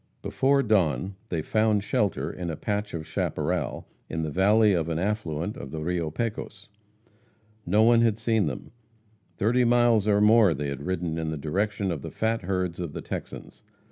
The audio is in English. Before dawn they found shelter in a patch of chaparral in the valley of an affluent of the Rio Pecos. No one had seen them. Thirty miles and more they had ridden in the direction of the fat herds of the Texans.